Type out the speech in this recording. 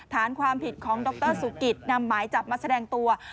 ฐานความผิดของดรสุกิตนำหมายจับมาแสดงตัว